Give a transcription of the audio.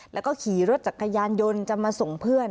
แล้วก็ขี่รถจักรยานยนต์จะมาส่งเพื่อน